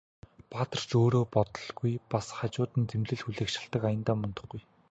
Баатар ч өөрөө болдоггүй, бас хажууд нь зэмлэл хүлээх шалтаг аяндаа мундахгүй.